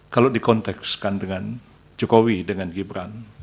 kalau dikontekskan dengan jokowi dengan gibran